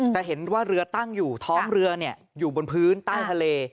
จะเห็นว่าเรือตั้งอยู่ท้องเรืออยู่บนพื้นใต้ทะเล